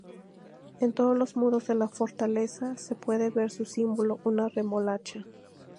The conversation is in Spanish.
En todos los muros de la fortaleza se puede ver su símbolo: una remolacha.